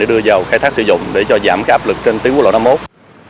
để đưa vào khai thác sử dụng để cho giảm cái áp lực trên tiếng quốc lộ năm mốt